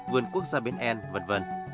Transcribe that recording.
vườn quốc gia bến en v v